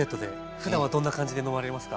ふだんはどんな感じで飲まれますか？